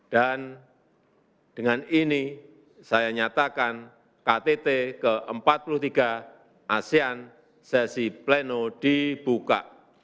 dan dengan ini saya nyatakan ktt ke empat puluh tiga asean sesi pleno dibuka